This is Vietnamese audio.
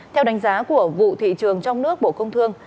theo đánh giá của vụ thị trường trong nước bộ công thương